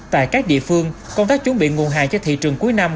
tại các địa phương công tác chuẩn bị nguồn hàng cho thị trường cuối năm